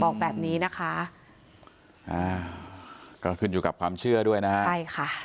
บอกแบบนี้นะคะอ่าก็ขึ้นอยู่กับความเชื่อด้วยนะฮะใช่ค่ะ